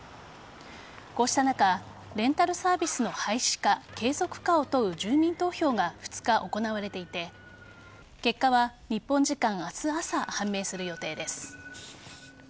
こうした中レンタルサービスの廃止か継続かを問う住民投票が２日、行われていて結果は日本時間、明日朝判明する予定です。